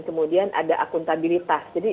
kemudian ada akuntabilitas jadi